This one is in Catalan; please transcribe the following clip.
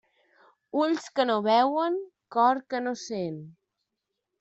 Ulls que no veuen, cor que no sent.